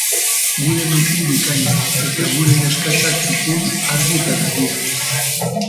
Gure mutil bikainak eta gure neskatxa txukun, argi eta garbiak.